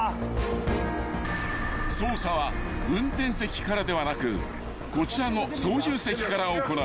［操作は運転席からではなくこちらの操縦席から行う］